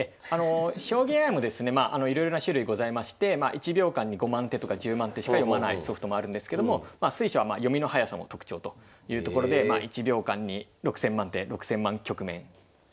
将棋ＡＩもですねいろいろな種類ございまして１秒間に５万手とか１０万手しか読まないソフトもあるんですけども水匠は読みの速さも特徴というところで１秒間に６，０００万手６，０００万局面読んでしまうと。